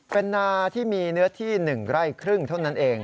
เป็นนาที่มีเนื้อที่๑ไร่ครึ่งเท่านั้นเอง